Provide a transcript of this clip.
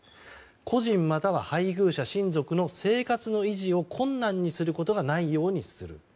個人または配偶者・親族の生活の維持を困難にすることがないようにする。